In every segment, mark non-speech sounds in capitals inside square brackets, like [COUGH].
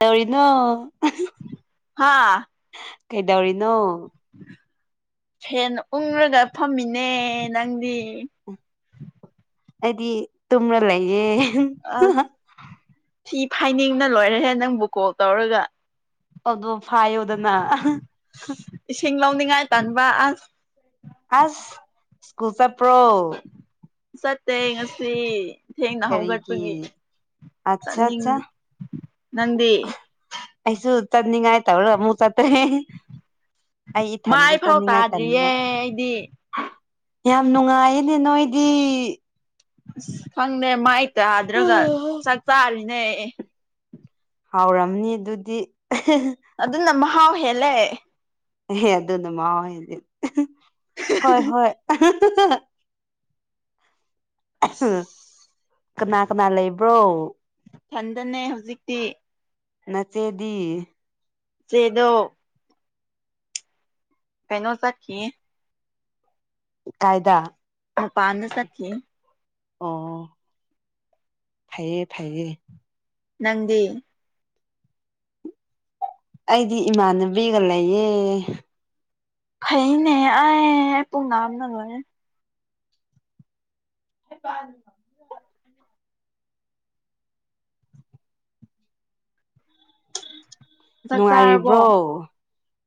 ꯇꯧꯔꯤꯅꯣ ꯍꯥꯥ ꯀꯩꯗꯧꯔꯤꯅꯣ ꯐꯦꯟ ꯎꯪꯔꯒ ꯐꯝꯃꯤꯅꯦ ꯅꯪꯗꯤ ꯑꯩꯗꯤ ꯇꯨꯝꯅ ꯂꯩꯌꯦ ꯑꯁ ꯊꯤ ꯐꯥꯏꯅꯤꯡꯅ ꯂꯣꯏꯔꯦ ꯅꯪꯕꯨ ꯀꯣꯜ ꯇꯧꯔꯒ ꯑꯗꯣ ꯐꯥꯏꯌꯣꯗꯅ ꯁꯤꯡ ꯂꯧꯅꯤꯡꯉꯥꯏ ꯇꯟꯕ ꯑꯁ ꯑꯁ ꯁ꯭ꯀꯨꯜ ꯆꯄ꯭ꯔꯣ ꯆꯠꯇꯦ ꯉꯁꯤ ꯊꯦꯡꯅ ꯍꯧꯒꯠꯄꯒꯤ ꯑꯆꯥ ꯆꯠꯅꯤꯡ ꯑꯠꯆꯥ ꯅꯪꯗꯤ ꯑꯩꯁꯨ ꯆꯠꯅꯤꯡꯉꯥꯏ ꯇꯧꯔꯒ ꯑꯃꯨꯛ ꯆꯠꯇ꯭ꯔꯦ ꯑꯩ ꯃꯥꯏ ꯏꯊꯟꯗ ꯐꯥꯎ ꯆꯠꯅꯤꯡꯉꯥꯏ ꯇꯥꯗ꯭ꯔꯤꯌꯦ ꯇꯟꯕ ꯑꯩꯗꯤ ꯌꯥꯝ ꯅꯨꯡꯉꯥꯏꯌꯦ ꯏ ꯅꯣꯏꯗꯤ ꯑꯁ ꯈꯪꯗꯦ ꯃꯥꯏ ꯇꯥꯗ꯭ꯔꯒ ꯆꯥꯛ ꯆꯥꯔꯤꯅꯦ ꯍꯥꯎꯔꯝꯅꯤ ꯑꯗꯨꯗꯤ ꯑꯗꯨ ꯅ ꯃꯍꯥꯎ ꯍꯦꯜꯂꯦ ꯍꯦ ꯑꯗꯨꯅ ꯃꯍꯥꯎ ꯍꯦꯜꯂꯦ ꯑ ꯍꯣꯏ ꯍꯣꯏ ꯑꯍꯍꯍꯍ ꯑꯁ ꯀꯅꯥ ꯀꯅꯥ ꯂꯩꯕ꯭ꯔꯣ ꯊꯟꯗꯅꯦ ꯍꯧꯖꯤꯛꯇꯤ ꯅꯆꯦꯗꯤ ꯆꯦꯗꯣ ꯀꯩꯅꯣ ꯆꯈꯤꯌꯦ ꯀꯥꯏꯗ ꯎ ꯄꯥꯟꯗ ꯆꯈꯤ ꯑꯣ ꯐꯩꯌꯦ ꯐꯩꯌꯦ ꯅꯪꯒꯤꯦ ꯑꯩꯗꯤ ꯏꯃꯥꯟꯅꯕꯤꯒ ꯂꯩꯌꯦ ꯈꯩꯅꯦ ꯑꯩ ꯄꯨꯡꯅꯥꯝꯅ ꯂꯣꯏꯦ ꯑꯗꯨ ꯆꯥꯛ ꯆꯥꯔꯕꯣ ꯅꯨꯡꯉꯥꯏꯔꯤꯕ꯭ꯔꯣ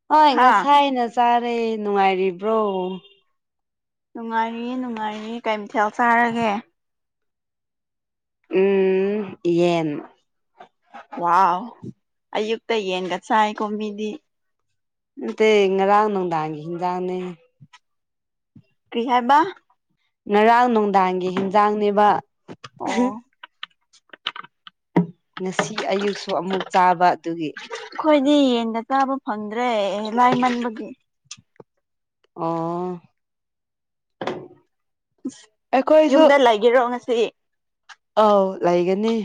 ꯍꯣꯏ ꯍꯥ ꯉꯁꯥꯏ ꯆꯥꯔꯦ ꯅꯨꯡꯉꯥꯏꯔꯤꯕ꯭ꯔꯣ ꯅꯨꯡꯉꯥꯏꯔꯤꯌꯦ ꯅꯨꯡꯉꯥꯏꯔꯤ ꯀꯩꯝꯊꯦꯜ ꯆꯥꯔꯒꯦ ꯎꯝ ꯌꯦꯟ ꯋꯥ ꯑꯌꯨꯛꯇ ꯌꯦꯟꯒ ꯆꯥꯏ ꯀꯣ ꯃꯤꯗꯤ ꯠꯇ ꯏꯔꯅꯗꯥꯡꯒꯗꯅꯤ ꯀꯔꯤꯍꯥꯏꯕ ꯉꯔꯥꯡ ꯅꯨꯡꯗꯥꯡꯒꯤ ꯍꯦꯟꯖꯥꯡꯅꯦꯕ ꯑꯣ ꯉꯁꯤ ꯑꯌꯨꯛꯁꯨ ꯑꯃꯨꯛ ꯆꯥꯕ ꯑꯗꯨꯒꯤ ꯑꯩꯈꯣꯏꯗꯤ ꯌꯦꯟꯗ ꯆꯥꯕ ꯐꯪꯗ꯭ꯔꯦ ꯂꯥꯏꯃꯟꯕꯒꯤ ꯑꯥ ꯌꯨꯝꯗ ꯂꯩꯒꯦꯔꯣ ꯉꯁꯤ ꯑꯥꯎ ꯂꯩꯥꯏꯒꯅꯤ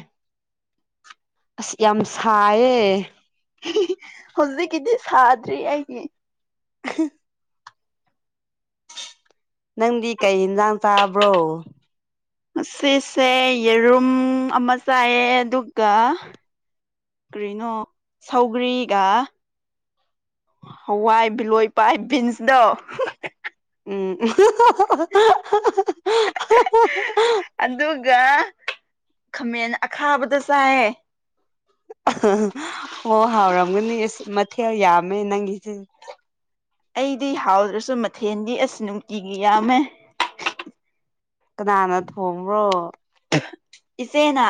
ꯑꯁ ꯌꯥꯝ ꯁꯥꯏꯌꯦ ꯍꯧꯖꯤꯛꯀꯤꯗꯤ ꯁꯥꯗ꯭ꯔꯤ ꯑꯩꯒꯤ [UNINTELLIGIBLE] ꯅꯪꯗꯤ ꯀꯩ ꯌꯦꯟꯁꯥꯡ ꯆꯥꯕ꯭ꯔꯣ ꯁꯤꯁꯦ ꯌꯦꯔꯨꯝ ꯑꯃ ꯆꯥꯏꯑ ꯑꯗꯨꯒ ꯀ꯭ꯔꯤꯅꯣ ꯁꯧꯒ꯭ꯔꯤꯒ ꯍꯋꯥꯏ ꯕꯤꯂꯣꯏ ꯄꯥꯏ ꯕꯤꯟꯁꯗꯣ ꯎꯝ [UNINTELLIGIBLE] [UNINTELLIGIBLE] ꯑꯗꯨ ꯒ ꯈꯥꯃꯦꯟ ꯑꯈꯥꯕꯗꯣ ꯆꯥꯏꯌꯦ ꯑꯣ ꯍꯥꯎꯔꯝꯒꯅꯤ ꯑꯁ ꯃꯊꯦꯜ ꯌꯥꯝꯃꯦ ꯅꯪꯒꯤꯁꯦ ꯑꯩꯗꯤ ꯍꯥꯎꯗ꯭ꯔꯁꯨ ꯃꯊꯦꯜꯗꯤ ꯑꯁ ꯅꯨꯡꯇꯤꯒꯤ ꯌꯥꯝꯃꯦ ꯀꯅꯥꯅ ꯊꯣꯡꯕ꯭ꯔꯣ ꯏꯆꯦꯅ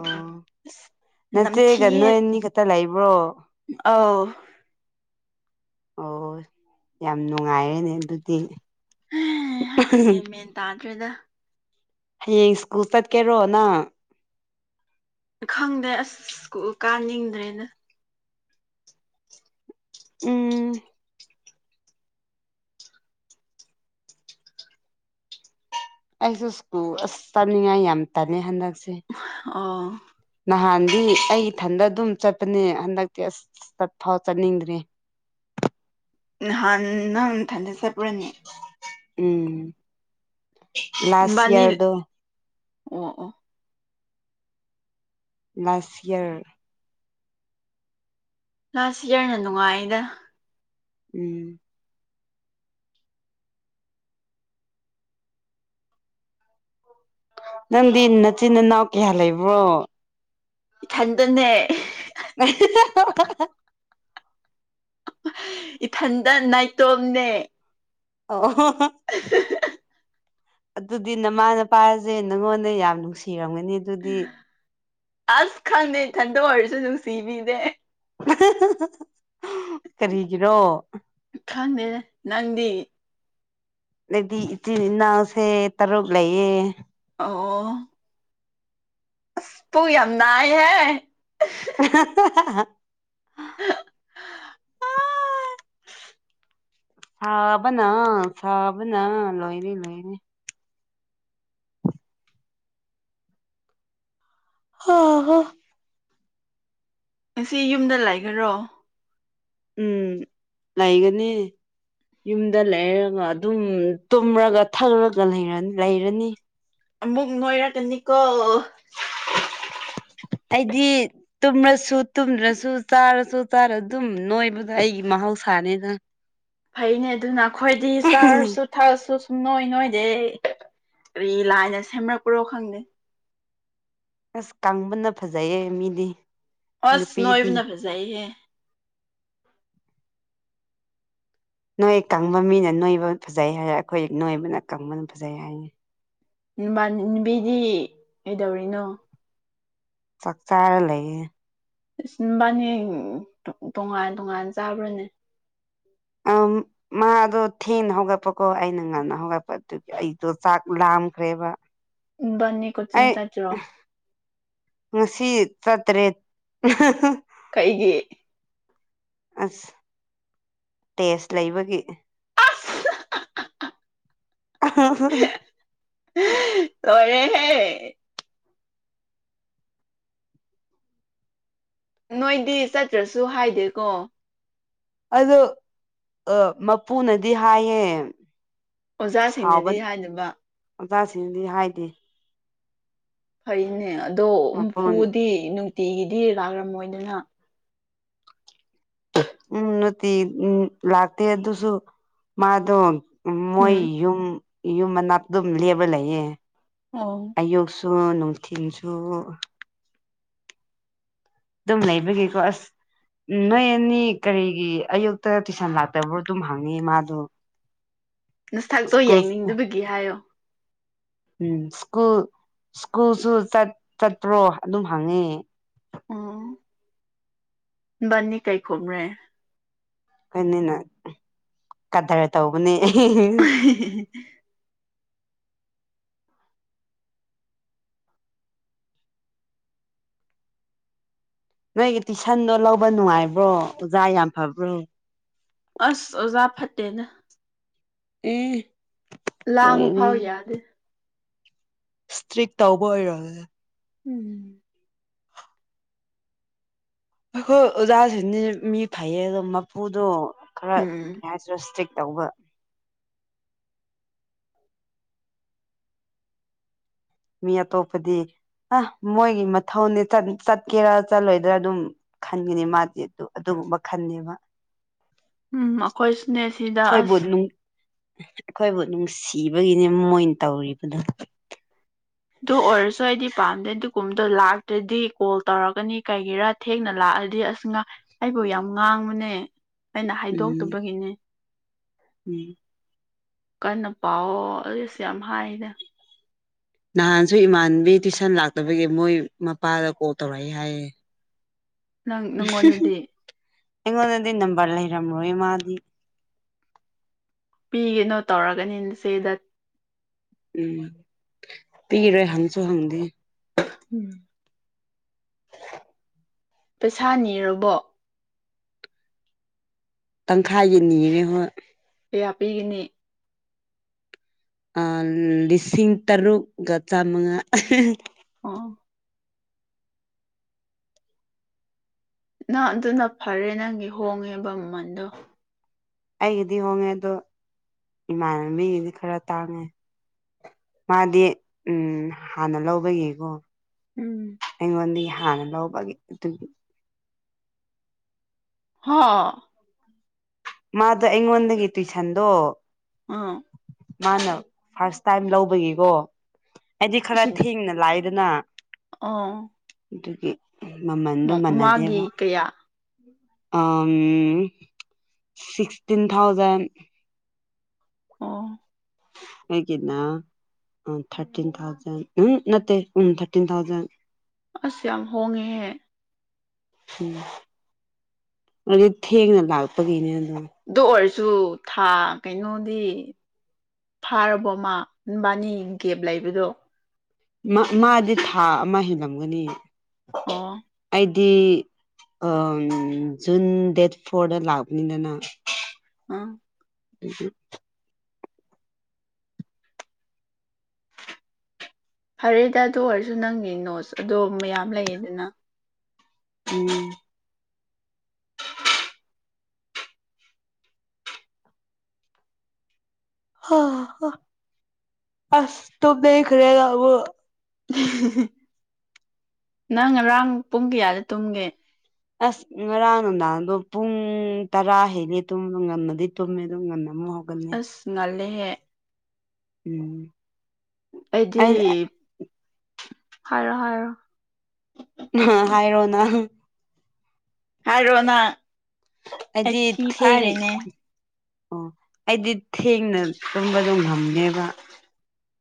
ꯑꯣ ꯑꯁ ꯅꯆꯦꯒ ꯅꯝꯊꯤꯌꯦ ꯅꯣꯏ ꯑꯅꯤ ꯈꯛꯇ ꯂꯩꯕ꯭ꯔꯣ ꯑꯧ ꯑꯣ ꯌꯥꯝ ꯅꯨꯡꯉꯥꯏꯔꯦꯅꯦ ꯑꯗꯨꯗꯤ ꯒ꯭ꯌꯥꯟ ꯃꯦꯟ ꯇꯥꯗ꯭ꯔꯦꯗ ꯍꯌꯦꯡ ꯁ꯭ꯀꯨꯜ ꯆꯠꯀꯦꯔꯣ ꯅꯪ ꯈꯪꯗꯦ ꯑꯁ ꯁ꯭ꯀꯨꯜ ꯀꯥꯅꯤꯡꯗ꯭ꯔꯦꯗ ꯎꯝ ꯑꯩꯁꯨ ꯁ꯭ꯀꯨꯜ ꯑꯁ ꯆꯠꯅꯤꯡꯉꯥꯏ ꯌꯥꯝ ꯇꯜꯂꯦ ꯍꯟꯗꯛꯁꯦ ꯑꯣ ꯅꯍꯥꯟꯗꯤ ꯑꯩ ꯏꯊꯟꯗ ꯑꯗꯨꯝ ꯆꯠꯄꯅꯦ ꯍꯟꯗꯛꯇꯤ ꯑꯁ ꯆꯠ ꯐꯥꯎ ꯆꯠꯅꯤꯡꯗ꯭ꯔꯦ ꯅꯍꯥꯟ ꯅꯪ ꯅꯊꯟꯗ ꯆꯠꯄ꯭ꯔꯥꯅꯦ ꯎꯝ ꯂꯥꯁ ꯏꯕꯥꯅꯤ ꯏꯌ꯭ꯔꯗꯣ ꯑꯣ ꯑꯣ ꯂꯥꯁ ꯌꯤꯌ꯭ꯔ ꯂꯥꯁ ꯏꯌꯥ꯭ꯔꯅ ꯅꯨꯡꯉꯥꯏꯗ ꯎꯝ ꯅꯪꯗꯤ ꯅꯆꯤꯟ ꯏꯅꯥꯎ ꯀꯌꯥ ꯂꯩꯕ꯭ꯔꯣ ꯏꯊꯟ [UNINTELLIGIBLE] ꯏꯊꯟꯗ ꯅꯥꯏꯇꯣꯝꯅꯦ ꯑꯣ [UNINTELLIGIBLE] [UNINTELLIGIBLE] ꯑꯗꯨꯗꯤ ꯅꯃꯥ ꯅꯄꯥꯁꯦ ꯅꯪꯉꯣꯟꯗ ꯌꯥꯝ ꯅꯨꯡꯁꯤꯔꯝꯒꯅꯤ ꯑꯗꯨꯗꯤ ꯑꯁ ꯈꯪꯗꯦ ꯏꯊꯟꯗ ꯑꯣꯏꯔꯁꯨ ꯅꯨꯡꯁꯤꯕꯤꯗꯦ ꯀꯔꯤꯒꯤꯔꯣ ꯈꯪꯗꯦꯗ ꯅꯪꯗꯤ ꯑꯩꯗꯤ ꯏꯆꯤꯟ ꯏꯅꯥꯎꯁꯦ ꯇꯔꯨꯛ ꯂꯩꯌꯦ ꯑꯣ ꯑꯁ ꯄꯨꯛ ꯌꯥꯝ ꯅꯥꯏꯍꯦ [UNINTELLIGIBLE] ꯑꯥ ꯁꯥꯕꯅ ꯁꯥꯕꯅ ꯂꯣꯏꯔꯦ ꯂꯣꯏꯔꯦ ꯍꯥ ꯍꯥ ꯉꯁꯤ ꯌꯨꯝꯗ ꯂꯩꯥꯒꯦꯔꯣ ꯎꯝ ꯂꯩꯒꯅꯤ ꯌꯨꯝꯗ ꯂꯩꯔꯒ ꯑꯗꯨꯝ ꯇꯨꯝꯔꯒ ꯊꯛꯂꯒ ꯂꯩꯔ ꯂꯩꯔꯅꯤ ꯑꯃꯨꯛ ꯅꯣꯏꯔꯛꯀꯅꯤꯀꯣ ꯑꯩꯗꯤ ꯇꯨꯝꯔꯁꯨ ꯇꯨꯝꯗ꯭ꯔꯁꯨ ꯆꯥꯔꯁꯨ ꯆꯥꯔ ꯑꯗꯨꯝ ꯅꯣꯏꯕꯗ ꯑꯩꯒꯤ ꯃꯥꯍꯧꯁꯥꯅꯤꯗ ꯐꯩꯅꯦ ꯑꯗꯨꯅ ꯑꯩꯈꯣꯏꯗꯤ ꯆꯥꯔꯁꯨ ꯊꯛꯑꯁꯨ ꯁꯨꯡꯅꯣꯏ ꯅꯣꯏꯗꯦ ꯑꯩ ꯀꯔꯤ ꯂꯥꯏꯅ ꯁꯦꯝꯔꯛꯄ꯭ꯔꯣ ꯈꯪꯗꯦ ꯑꯁ ꯀꯪꯕꯅ ꯐꯖꯩꯌꯦ ꯃꯤꯗꯤ ꯍꯁ ꯅꯨꯄꯤꯗꯤ ꯅꯣꯏꯣꯏꯕꯅ ꯐꯖꯩꯌꯦꯦ ꯅꯣꯏ ꯀꯪꯕ ꯃꯤꯅ ꯅꯣꯏꯕ ꯐꯖꯩ ꯍꯥꯏꯔꯦ ꯑꯩꯈꯣꯏ ꯅꯣꯏꯕꯅ ꯀꯪꯕꯅ ꯐꯖꯩ ꯍꯥꯏꯅꯤ ꯕꯥ ꯅꯨꯕꯤꯗꯤ ꯀꯩꯗꯧꯔꯤꯅꯣ ꯆꯥꯛꯆꯥꯥꯔ ꯂꯩꯌꯦꯦ ꯏꯁꯕꯥꯅꯤ ꯇꯣꯉꯥꯟ ꯇꯣꯉꯥꯟ ꯆꯥꯕ꯭ꯔꯥꯅꯦ ꯑꯝ [UNINTELLIGIBLE] ꯃꯥꯗꯣ ꯊꯦꯡꯅ ꯍꯧꯒꯠꯄꯀꯣ ꯑꯩꯅ ꯉꯟꯅ ꯍꯧꯒꯠꯄ ꯑꯗꯨꯒꯤ ꯑꯩꯗꯣ ꯆꯥꯛ ꯂꯥꯝꯈ꯭ꯔꯦꯕ ꯅꯤꯀ ꯑꯩ ꯆꯤꯡꯆꯆ꯭ꯔ ꯉꯁꯤ ꯆꯠꯇ꯭ꯔꯦꯠ ꯀꯩꯒꯤ ꯑꯁ ꯇꯦꯁ ꯂꯩꯕꯒꯤ ꯑꯁ ꯑ ꯍ ꯇꯔꯦꯍꯦ ꯅꯣꯏꯗꯤ ꯆꯠꯇ꯭ꯔꯁꯨ ꯍꯥꯏꯗꯦꯀꯣ ꯑꯗꯣ ꯃꯄꯨꯅꯗꯤ ꯍꯥꯏꯌꯦꯦ ꯑꯣꯖꯥꯁꯤꯡꯅꯗꯤ ꯍꯥꯏꯗꯅꯕ ꯑꯣꯖꯥꯁꯤꯡꯗꯤ ꯍꯥꯏꯗꯤ ꯐꯩꯅꯦ ꯑꯗꯣ ꯃꯄꯨꯟ ꯃꯄꯨꯗꯤ ꯅꯨꯡꯇꯤꯒꯤꯗꯤ ꯂꯥꯛꯔꯝꯃꯣꯏꯗꯅ ꯎꯝ ꯅꯠꯇ ꯎꯝ ꯂꯥꯛꯇ ꯑꯗꯨꯁꯨ ꯃꯥꯗ ꯎ ꯃꯣꯏ ꯎꯝ ꯌꯨꯝ ꯌꯨꯝ ꯃꯅꯥ ꯑꯗꯨꯝ ꯂꯦꯕ ꯂꯩꯌꯦ ꯑꯣ ꯁꯣ ꯅꯨꯊꯁꯨ ꯑꯗꯨꯝ ꯂꯩꯕꯒꯦꯀꯣ ꯑꯁ ꯎꯝ ꯅꯣꯏ ꯑꯅꯤ ꯀꯔꯤꯒꯤ ꯑꯌꯨꯛꯇ ꯇꯨꯏꯁꯟ ꯂꯥꯛꯇꯕ꯭ꯔꯣ ꯑꯗꯨꯝ ꯍꯪꯉꯤ ꯃꯥꯗꯣ ꯅꯁꯊꯥꯛꯛꯇꯣ ꯁ꯭ꯀꯨꯜ ꯌꯥꯡꯅꯤꯡꯗꯕꯒꯤ ꯍꯥꯏꯌꯣ ꯎꯝ ꯁ꯭ꯀꯨꯜ ꯁ꯭ꯀꯨꯜꯁꯨ ꯆꯠꯄ꯭ꯔꯣ ꯑꯗꯨꯝ ꯍꯪꯉꯤ ꯎꯝ ꯅꯤ ꯀꯩ ꯈꯨꯕꯔꯦ ꯑꯩꯈꯣꯏꯅꯤꯅ ꯀꯗꯔ ꯇꯧꯕꯅꯦ [UNINTELLIGIBLE] ꯅꯣꯏꯒꯤ ꯇꯨꯏꯁꯟꯗꯣ ꯂꯧꯕ ꯅꯨꯡꯉꯥꯏꯕ꯭ꯔꯣ ꯑꯣꯖꯥ ꯌꯥꯝ ꯐꯕ꯭ꯔꯣ ꯑꯁ ꯑꯣꯖꯥ ꯐꯠꯇꯦꯅ ꯎꯝ ꯂꯥ ꯑꯃ ꯐꯥꯎ ꯌꯥꯗꯦ ꯏꯁꯇ꯭ꯔꯤꯛ ꯇꯧꯕ ꯑꯣꯏꯔꯣꯦ ꯎꯝ ꯑꯩꯈꯣꯏ ꯑꯣꯖꯥꯁꯤꯗꯤ ꯃꯤ ꯐꯩꯌꯦ ꯑꯗꯣ ꯃꯄꯨꯗꯣ ꯈꯔ ꯎꯝ ꯀꯩ ꯍꯥꯏꯔꯦꯇ ꯇꯧꯕ ꯃꯤꯌꯥ ꯇꯣꯄꯗꯤ ꯑ ꯃꯣꯏꯒꯤ ꯃꯊꯧꯅꯤ ꯆꯠꯀꯦꯔꯥ ꯆꯠꯂꯣꯏꯗ꯭ꯔꯥ ꯑꯗꯨꯝ ꯈꯟꯒꯅꯤ ꯃꯥꯗꯤ ꯑꯗꯨ ꯃꯈꯟꯅꯦꯕ ꯎꯝ ꯑꯩꯈꯣꯏꯁꯨꯅꯦ ꯁꯤꯗ ꯑꯁ ꯍꯣꯏꯕꯨꯣꯠꯂꯨ ꯑꯩꯈꯣꯏꯕꯨ ꯅꯨꯡꯁꯤꯕꯒꯤꯅꯦ ꯃꯣꯏꯅ ꯇꯧꯔꯤꯕꯗꯣ ꯑꯗꯨ ꯑꯣꯏꯔꯁꯨꯋꯥꯗꯤ ꯄꯥꯝꯗꯦ ꯑꯗꯨꯒꯨꯝꯕꯗꯣ ꯂꯥꯛꯇ꯭ꯔꯗꯤ ꯀꯣꯜ ꯇꯧꯔꯛꯀꯅꯤ ꯀꯩꯒꯤꯔꯥ ꯊꯦꯡꯅ ꯂꯥꯛꯑꯗꯤ ꯑꯁꯅ ꯕꯨ ꯌꯥꯝ ꯉꯥꯡꯕꯅꯦ ꯑꯩꯅ ꯎꯝ ꯍꯥꯏꯗꯣꯛꯇꯕꯒꯤꯅꯦ ꯎꯝ ꯀꯟꯅ ꯄꯥꯎꯑꯣ ꯑꯗꯨꯑꯣꯏꯁꯨ ꯌꯥꯝ ꯍꯥꯏꯅꯦ ꯅꯍꯥꯟꯁꯨ ꯏꯃꯥꯟꯕꯤ ꯇꯨꯏꯁꯟ ꯂꯥꯛꯇꯕꯒꯤ ꯃꯣꯏ ꯃꯄꯥꯗ ꯀꯣꯜ ꯇꯧꯔꯛꯏꯦ ꯍꯥꯏꯌꯦꯦ ꯅꯪ ꯅꯪꯉꯣꯟꯗꯗꯤ ꯑꯩꯉꯣꯟꯗꯗꯤ ꯅꯝꯕꯔ ꯂꯩꯔꯝꯂꯣꯏ ꯃꯥꯗꯤ ꯄꯤꯒꯅꯣ ꯇꯧꯔꯒꯅꯤ ꯁꯤꯦꯗ ꯎꯝ ꯄꯤꯔꯣꯏ ꯍꯪꯁꯨ ꯍꯪꯗꯦ ꯎꯝ [INAUDIBLE] ꯄꯩꯁꯥ ꯅꯤꯔꯕꯣ ꯇꯪꯈꯥꯏꯒꯤꯅꯤꯅꯦ ꯍꯣꯏ ꯀꯌꯥ ꯄꯤꯒꯅꯤ ꯂꯤꯁꯤꯡ ꯇꯔꯨꯛ ꯆꯃꯉꯥ ꯑ ꯅꯪ ꯑꯗꯨꯅ ꯐꯔꯦ ꯅꯪꯒꯤ ꯍꯣꯡꯉꯦꯕ ꯃꯃꯜꯗꯣ ꯑꯩꯒꯤꯗꯤ ꯍꯣꯡꯉꯦ ꯑꯗꯣ ꯏꯃꯥꯟꯅꯕꯤꯒꯤꯗꯤ ꯈꯔ ꯇꯥꯡꯉꯦ ꯃꯥꯗꯤ ꯎꯝ ꯍꯥꯟꯅ ꯂꯧꯕꯒꯤꯀꯣ ꯎꯝ ꯑꯩꯉꯣꯟꯗꯤ ꯍꯥꯟꯅ ꯂꯧꯕꯒꯤ ꯑꯗꯨꯒꯤ ꯍꯥꯥ ꯃꯥꯗ ꯏꯪꯣꯟꯟꯒꯦꯇꯤ ꯆꯟꯣ ꯑ ꯃꯥꯅ ꯐꯥꯔꯁ ꯇꯥꯏꯝ ꯂꯧꯕꯒꯤꯀꯣ ꯍꯥꯏꯗꯤ ꯈꯔ ꯊꯦꯡꯅ ꯂꯥꯛꯗꯅ ꯑꯥ ꯑꯗꯨꯒꯤ ꯃꯃꯟꯗꯣ ꯃꯥꯟꯅꯗꯦꯕ ꯀꯌꯥ ꯑꯥꯎꯝ ꯁꯤꯛꯁꯇꯤꯟ ꯊꯥꯎꯖꯟ ꯑꯣ ꯑꯩꯒꯤꯅ ꯎ ꯊꯔꯇꯤꯟ ꯊꯥꯎꯖꯟ ꯎꯝ ꯅꯠꯇꯦ ꯎꯝ ꯊꯥꯔꯇꯤꯟ ꯊꯥꯎꯖꯟ ꯑꯁ ꯌꯥꯝ ꯍꯣꯡꯉꯦꯍꯦ ꯎꯝ ꯑꯗꯤ ꯊꯦꯡꯅ ꯂꯥꯛꯄꯒꯤꯅꯦ ꯑꯗꯣ ꯑꯗꯨ ꯑꯣꯏꯔꯁꯨ ꯊꯥ ꯀꯩꯅꯣꯗꯤ ꯐꯥꯔꯕꯣ ꯃꯥ ꯅꯕꯥꯅꯤ ꯒꯦꯞ ꯂꯩꯕꯗꯣ ꯃ ꯃꯥꯗꯤ ꯊꯥ ꯑꯃ ꯍꯦꯜꯂꯝꯒꯅꯤ ꯑꯣ ꯑꯗꯨꯗꯤ ꯑꯝ ꯖꯨꯟ ꯗꯦꯠ ꯐꯣꯔꯗ ꯂꯥꯛꯄꯅꯤꯗꯅ ꯑꯝ ꯎ ꯐꯔꯦꯗ ꯑꯗꯨ ꯑꯣꯏꯔꯁꯨ ꯅꯪꯒꯤ ꯅꯣꯁ ꯑꯗꯣ ꯃꯌꯥꯝ ꯂꯩꯌꯦꯗꯅ ꯎꯝ ꯍ ꯍ ꯑꯥꯁ ꯇꯨꯝꯅꯤꯡ ꯈꯔꯦꯗ ꯑꯃꯨꯛ ꯅꯪ ꯉꯔꯥꯡ ꯄꯨꯡ ꯀꯌꯥꯗ ꯇꯨꯝꯒꯦ ꯑꯁ ꯉꯔꯥꯡ ꯅꯨꯡꯗꯥꯡꯗꯣ ꯄꯨꯡ ꯇꯔꯥ ꯍꯦꯂꯦ ꯇꯨꯝꯕ ꯉꯝꯃꯗꯤ ꯇꯨꯝꯃꯦ ꯑꯗꯨꯝ ꯉꯟꯅ ꯑꯝ ꯍꯧꯒꯅꯦ ꯂꯩꯍꯦ ꯎꯝ ꯑꯩꯗꯤ ꯑꯩ ꯍꯥꯏꯔꯣ ꯍꯥꯏꯔꯣ ꯑ ꯍꯥꯏꯔꯣꯅ ꯍꯥꯏꯔꯣꯅ ꯑꯩꯗꯤ ꯑꯩꯊꯤ ꯊꯦꯡ ꯐꯥꯔꯤꯅꯦ ꯑꯣ ꯑꯩꯗꯤ ꯊꯦꯡꯅ ꯇꯨꯝꯕꯗꯣ ꯉꯝꯗꯦꯕ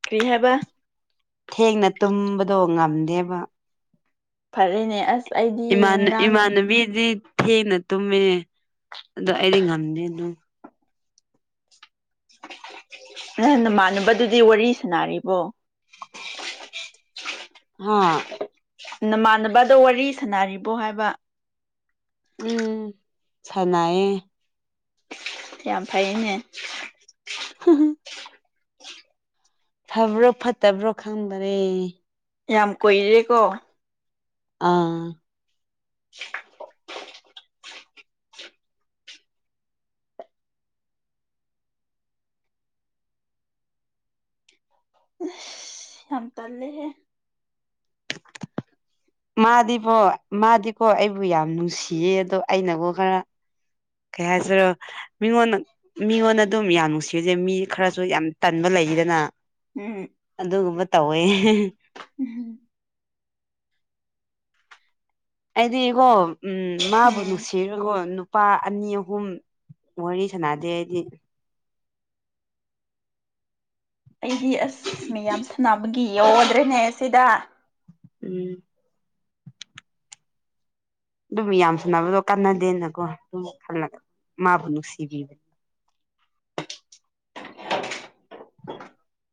ꯀ꯭ꯔꯤ ꯍꯥꯏꯕ ꯊꯦꯡꯅ ꯇꯨꯝꯕꯗꯣ ꯉꯝꯗꯦꯕ ꯐꯔꯦꯅꯦ ꯑꯁ ꯑꯩꯗꯤ ꯏꯃꯥꯟ ꯉꯔꯥꯡ ꯏꯃꯥꯟꯅꯕꯤꯗꯤ ꯊꯦꯡꯅ ꯇꯨꯝꯃꯦ ꯑꯗꯣ ꯑꯩꯗꯤ ꯉꯝꯗꯦ ꯑꯗꯨꯨ ꯅ ꯅꯃꯥꯟꯅꯕꯗꯨꯗꯤ ꯋꯥꯔꯤ ꯁꯥꯅꯔꯤꯕꯣ ꯍꯥꯥ ꯅꯃꯥꯟꯅꯕꯗꯣ ꯋꯥꯔꯤ ꯁꯥꯟꯅꯔꯤꯕꯣ ꯍꯥꯏꯕ ꯎꯝ ꯁꯅꯥꯌꯦ ꯌꯥꯝ ꯐꯩꯅꯦ ꯍ ꯍꯝ ꯐꯕ꯭ꯔꯣ ꯐꯠꯇꯕ꯭ꯔꯣ ꯈꯪꯗꯔꯦ ꯌꯥꯝ ꯀꯨꯏꯔꯦꯀꯣ ꯑꯥ ꯝ ꯇꯜꯂꯦꯍꯦ ꯃꯥꯗꯤꯕꯣ ꯃꯥꯗꯤꯀꯣ ꯑꯩꯕꯨ ꯌꯥꯝ ꯅꯨꯡꯁꯤꯌꯦ ꯑꯗꯣ ꯑꯩꯅꯕꯨ ꯈꯔ ꯀꯩ ꯍꯥꯏꯁꯤꯔꯣ ꯃꯤꯉꯣꯟꯗ ꯃꯤꯉꯣꯟꯗ ꯑꯗꯨꯝ ꯌꯥꯝ ꯅꯨꯡꯁꯤꯔꯁꯦ ꯃꯤ ꯈꯔꯁꯨ ꯌꯥꯝ ꯇꯟꯕ ꯂꯩꯗꯅ ꯎꯝ ꯑꯗꯨꯒꯨꯝꯕ ꯇꯧꯋꯦ ꯎꯝ ꯑꯩꯗꯤꯒꯣ ꯎꯝ ꯃꯥꯕꯨ ꯎꯝ ꯅꯨꯡꯁꯤꯔꯒꯣ ꯅꯨꯄꯥ ꯑꯅꯤ ꯑꯍꯨꯝ ꯋꯥꯔꯤ ꯁꯥꯟꯅꯗꯦ ꯑꯩꯗꯤ ꯑꯩꯗꯤ ꯑꯁ ꯃꯤꯌꯥꯝ ꯁꯥꯟꯅꯕꯒꯤ ꯌꯎꯗ꯭ꯔꯦꯅꯦ ꯁꯤꯗ ꯎꯝ ꯑꯗꯨꯝ ꯌꯥꯝ ꯁꯥꯟꯅꯕꯗꯣ ꯀꯥꯟꯅꯗꯦꯅꯀꯣ ꯑꯗꯨꯝ ꯈꯜꯂꯒ ꯃꯥꯕꯨ ꯅꯨꯡꯁꯤꯕꯤꯕꯅꯤ [UNINTELLIGIBLE]